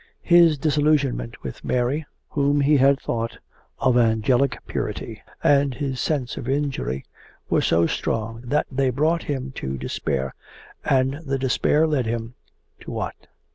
His disillusionment with Mary, whom he had thought of angelic purity, and his sense of injury, were so strong that they brought him to despair, and the despair led him to what?